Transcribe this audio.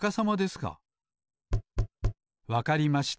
わかりました。